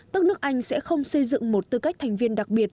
tức nước anh sẽ không xây dựng một tư cách thành viên đặc biệt